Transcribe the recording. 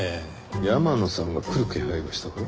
山野さんが来る気配がしたから？